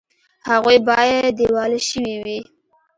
هغوی باید دیوالیه شوي وي